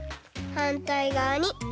はんたいがわに。